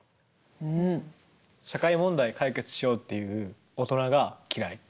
社会問題を解決しようって言う大人が嫌い。